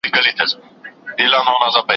چي بوډۍ وي په تلوار ډوډۍ خوړلې